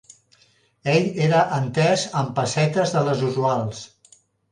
Ell era entès en pessetes de les usuals